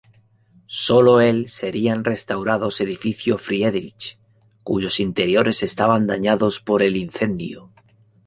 Sólo el serían restaurados edificio Friedrich, cuyos interiores estaban dañados por el incendio.